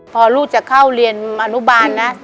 พอลูกจะเข้าเรียนอนุบาลนะ